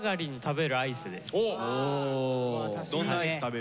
僕はどんなアイス食べるの？